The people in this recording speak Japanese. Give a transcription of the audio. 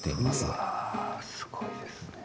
うわすごいですね。